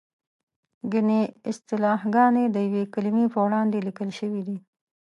ګڼې اصطلاحګانې د یوې کلمې په وړاندې لیکل شوې دي.